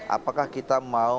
apakah kita mau